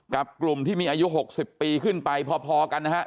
กับกลุ่มที่มีอายุ๖๐ปีขึ้นไปพอกันนะฮะ